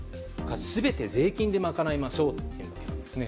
全て税金で賄いましょうということなんですね。